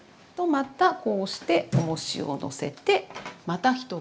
また押しておもしをのせてまた一晩。